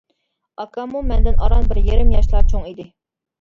ئاكاممۇ مەندىن ئاران بىر يېرىم ياشلا چوڭ ئىدى.